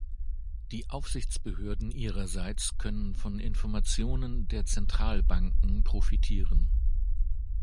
Die Aufsichtsbehörden ihrerseits können von Informationen der Zentralbanken profitieren.